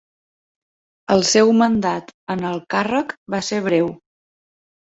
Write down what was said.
El seu mandat en el càrrec va ser breu.